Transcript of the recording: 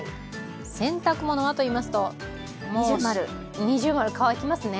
洗濯物はといいますと◎、乾きますね。